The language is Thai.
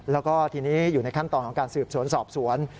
แล้วก็ทีนี้อยู่ในขั้นตอนของการสืบสวนสอบสวน